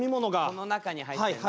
この中に入ってんの？